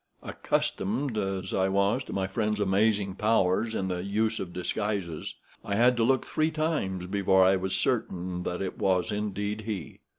Accustomed as I was to my friend's amazing powers in the use of disguises, I had to look three times before I was certain that it was indeed he.